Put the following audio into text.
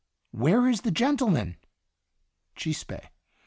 Where is the gentleman? CHISPE.